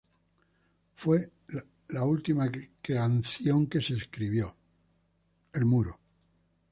Fue la última canción que se escribió de "The Wall".